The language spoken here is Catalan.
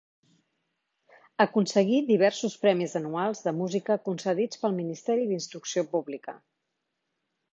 Aconseguí diversos premis anuals de música concedits pel Ministeri d'Instrucció Pública.